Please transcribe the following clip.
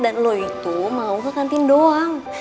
dan lo itu mau ke kantin doang